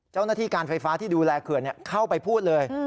เจ้าหน้าที่การไฟฟ้าที่ดูแลเขื่อนเข้าไปพูดเลย